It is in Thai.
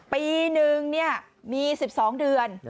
ปีหนึ่งมี๑๒เดือน